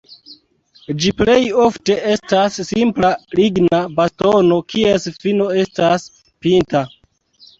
Ĝi plej ofte estas simpla ligna bastono, kies fino estas pinta.